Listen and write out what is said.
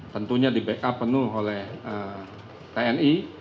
tentunya di backup penuh oleh tni